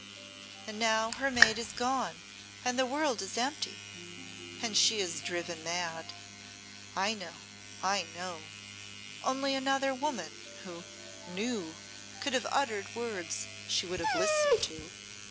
And now her mate is gone and the world is empty, and she is driven mad. I know, I know! Only another woman who knew could have uttered words she would have listened to."